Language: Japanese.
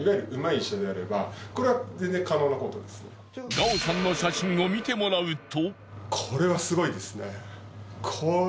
ガオさんの写真を見てもらうと。